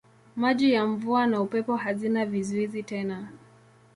Maji ya mvua na upepo hazina vizuizi tena.